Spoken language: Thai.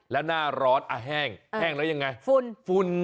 แล้วหน้าร้อนแห้งแห้งแล้วยังไงฝุ่นฝุ่น